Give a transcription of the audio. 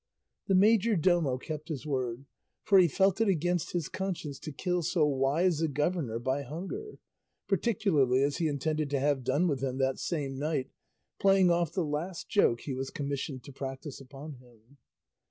The majordomo kept his word, for he felt it against his conscience to kill so wise a governor by hunger; particularly as he intended to have done with him that same night, playing off the last joke he was commissioned to practise upon him.